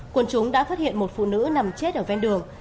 quân chúng đã phát hiện một phụ nữ nằm chết ở ven đường